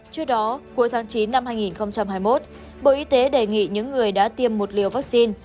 trước đó cuối tháng chín năm hai nghìn hai mươi một bộ y tế đề nghị những người đã tiêm một liều vaccine